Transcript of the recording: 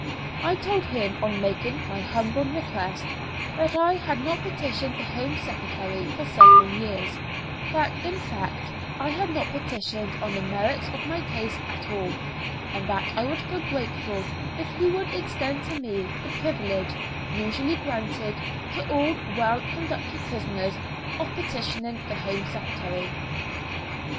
I told him on making my humble request that I had not petitioned the Home Secretary for several years, that, in fact, I had not petitioned on the merits of my case at all, and that I would feel grateful if he would extend to me the privilege, usually granted to all well conducted prisoners, of petitioning the Home Secretary.